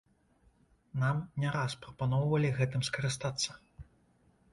Нам не раз прапаноўвалі гэтым скарыстацца.